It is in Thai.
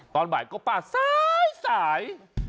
ตอนบ่ายก็ป้าสาย